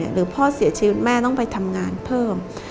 หรือพ่อเสียชีวิตแม่ต้องไปทำงานเพิ่ม